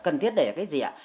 cần thiết để cái gì ạ